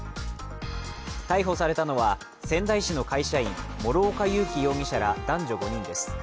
逮捕されたのは仙台市の会社員諸岡佑樹容疑者ら男女５人です。